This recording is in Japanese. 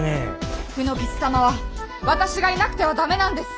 卯之吉様は私がいなくては駄目なんです。